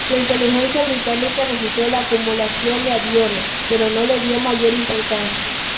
La inteligencia británica registró la acumulación de aviones, pero no le dio mayor importancia.